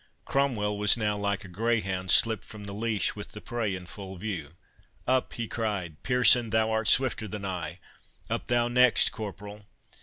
Cromwell was now like a greyhound slipped from the leash with the prey in full view.—"Up," he cried, "Pearson, thou art swifter than I—Up thou next, corporal."